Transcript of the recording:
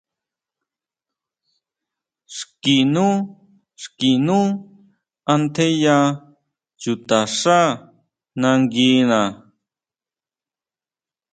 Xki nú, xki nú antjeya chutaxá nanguina.